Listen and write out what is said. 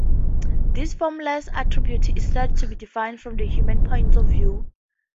This formless attribute is said to be defined from the human point of view.